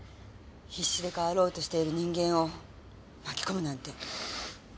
必死で変わろうとしている人間を巻き込むなんて。